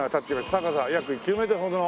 高さ約９メートルほどの。